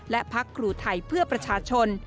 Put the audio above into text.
และพักครูไทยเพื่อประชาชน